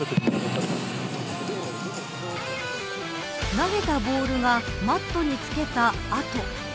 投げたボールがマットにつけた跡。